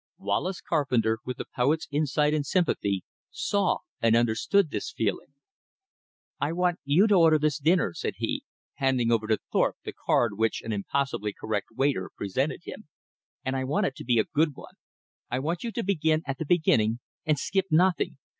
Wallace Carpenter, with the poet's insight and sympathy, saw and understood this feeling. "I want you to order this dinner," said he, handing over to Thorpe the card which an impossibly correct waiter presented him. "And I want it a good one. I want you to begin at the beginning and skip nothing.